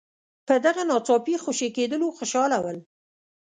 په دغه ناڅاپي خوشي کېدلو خوشاله ول.